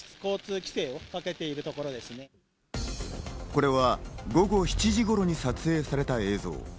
これは午後７時頃に撮影された映像。